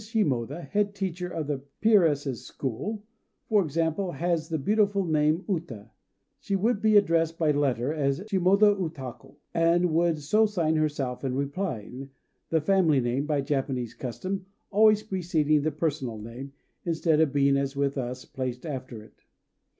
Shimoda, head teacher of the Peeresses' School, for example, has the beautiful name Uta. She would be addressed by letter as "Shimoda Utako," and would so sign herself in replying; the family name, by Japanese custom, always preceding the personal name, instead of being, as with us, placed after it.